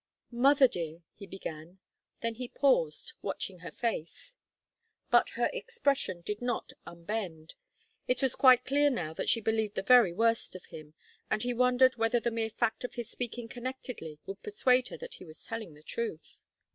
"Mother dear " he began. Then he paused, watching her face. But her expression did not unbend. It was quite clear now that she believed the very worst of him, and he wondered whether the mere fact of his speaking connectedly would persuade her that he was telling the truth.